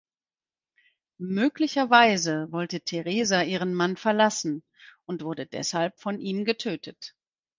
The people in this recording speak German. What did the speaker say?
Möglicherweise wollte Theresa ihren Mann verlassen und wurde deshalb von ihm getötet.